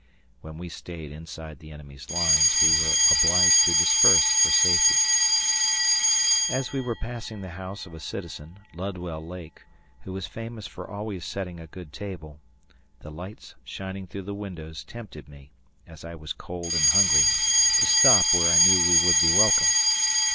(When we stayed inside the enemy's lines we were obliged to disperse for safety.) As we were passing the house of a citizen, Ludwell Lake, who was famous for always setting a good table, the lights shining through the windows tempted me, as I was cold and hungry, to stop where I knew we would be welcome.